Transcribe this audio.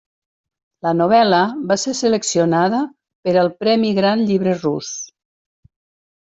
La novel·la va ser seleccionada per al Premi Gran Llibre Rus.